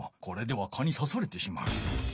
これでは蚊にさされてしまう。